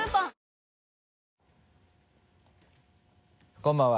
こんばんは。